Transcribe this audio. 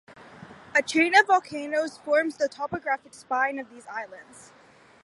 A chain of volcanoes forms the topographic spine of these islands.